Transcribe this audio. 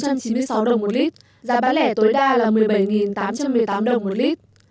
xăng e năm cũng tăng bốn trăm chín mươi sáu đồng một lít giá bán lẻ tối đa là một mươi bảy tám trăm một mươi tám đồng một lít